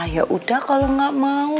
yaudah kalau nggak mau